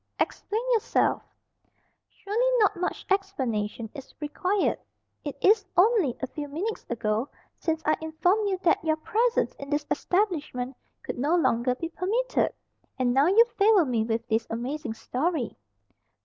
"Explain yourself." "Surely not much explanation is required. It is only a few minutes ago since I informed you that your presence in this establishment could no longer be permitted, and now you favour me with this amazing story."